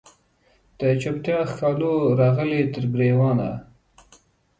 د چوپتیا ښکالو راغلې تر ګریوانه